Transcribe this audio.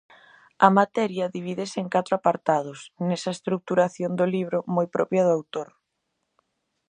A materia divídese en catro apartados, nesa estruturación do libro moi propia do autor.